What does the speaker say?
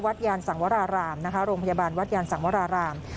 ยานสังวรารามนะคะโรงพยาบาลวัดยานสังวราราม